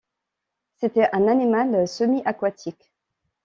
C’était un animal semi-aquatique.